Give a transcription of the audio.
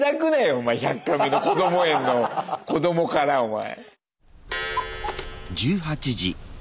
お前「１００カメ」のこども園のこどもからお前。